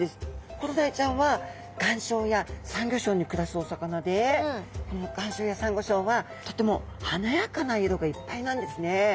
コロダイちゃんは岩礁やサンゴ礁に暮らすお魚でこの岩礁やサンゴ礁はとても華やかな色がいっぱいなんですね。